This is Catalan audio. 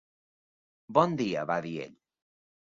Bon dia va dir ell